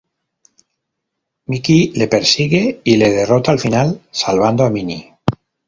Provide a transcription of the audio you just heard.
Mickey le persigue y le derrota al final, salvando a Minnie.